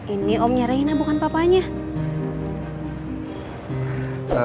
ini omnya raina bukan papanya